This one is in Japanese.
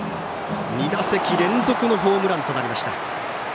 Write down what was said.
２打席連続のホームランとなりました。